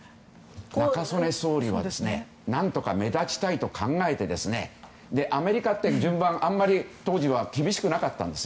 中曽根総理は何とか目立ちたいと考えてアメリカって、当時は順番にあまり厳しくなかったんです。